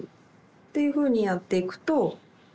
っていうふうにやっていくと。